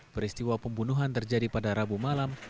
peristiwa pembunuhan terjadi pada rabu malam